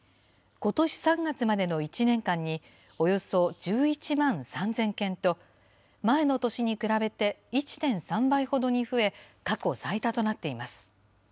ことし３月までの１年間におよそ１１万３０００件と、前の年に比べて１．３倍ほどに増え、過去最多となっています。